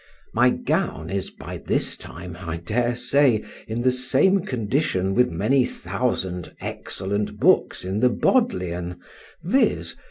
My gown is by this time, I dare say, in the same condition with many thousand excellent books in the Bodleian, viz.